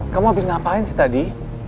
kamu habis ngapain sih tadi